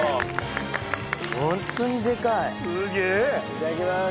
いただきます。